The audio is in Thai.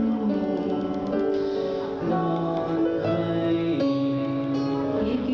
เธอให้ไปที่ไหนทั้งในนั้นรักฉันฉันไม่ว่างใคร